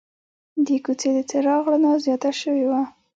د کوڅې د چراغ رڼا زیاته شوې وه.